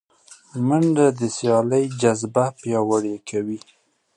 منډه د سیالۍ جذبه پیاوړې کوي